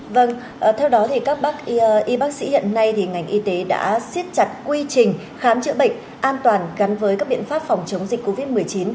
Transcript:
vâng theo đó thì các bác y bác sĩ hiện nay thì ngành y tế đã siết chặt quy trình khám chữa bệnh an toàn gắn với các biện pháp phòng chống dịch covid một mươi chín